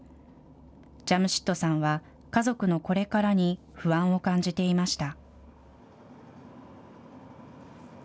ジャムシッドさんは、家族のこれからに不安を感じていました。